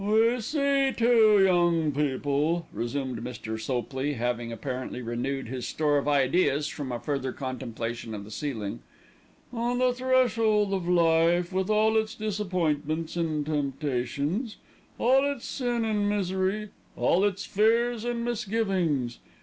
"We see two young people," resumed Mr. Sopley, having apparently renewed his store of ideas from a further contemplation of the ceiling, "on the threshold of life, with all its disappointments and temptations, all its sin and misery, all its fears and misgivings.